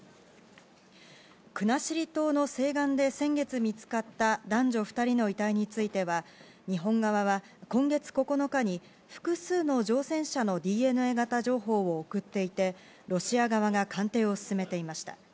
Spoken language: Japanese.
国後島の西岸で先月見つかった男女２人の遺体については、日本側は今月９日に複数の乗船者のＤＮＡ型情報を送っていて、ロシア側が鑑定を進めていました。